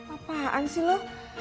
apaan sih lu